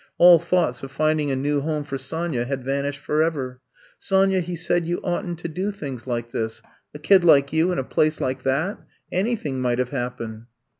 All thoughts of finding a new home for Sonya had vanished forever. Sonya," he said, *'you oughtn't to do things like this — a kid like you in a place like that I Anything might have happened.